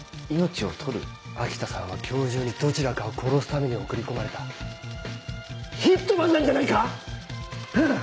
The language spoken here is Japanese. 秋田さんは今日中にどちらかを殺すために送り込まれたヒットマンなんじゃないか⁉うん！